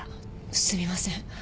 すみません。